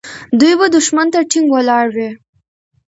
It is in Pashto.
دوی به دښمن ته ټینګ ولاړ وي.